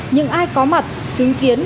nhưng ai có mặt chứng kiến